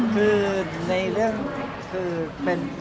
คือในเรื่องคือเป็น